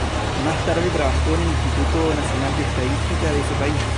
Más tarde trabajó en el Instituto Nacional de Estadísticas de ese país.